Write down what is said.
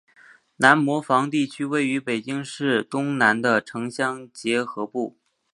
南磨房地区位于北京市东南的城乡结合部。